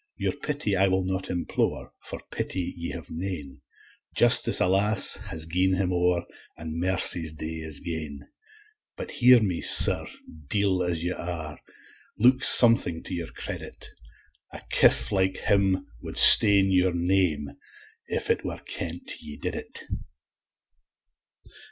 Your pity I will not implore, For pity ye have nane; Justice, alas! has gi'en him o'er, And mercy's day is gane. But hear me, Sir, deil as ye are, Look something to your credit; A coof like him wad stain your name, If it were kent ye did it.